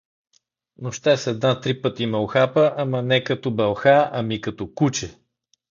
Нощес една три пъти ме ухапа, ама не като бълха, ами като куче.